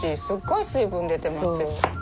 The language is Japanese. すっごい水分出てますよ。